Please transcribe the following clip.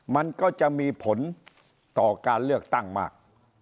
มันก็จะมีผลต่อการเลือกตั้งมาก